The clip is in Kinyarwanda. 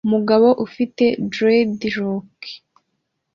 umugabo ufite dreadlock